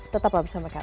tetap bersama kami